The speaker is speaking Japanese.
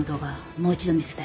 もう一度見せて。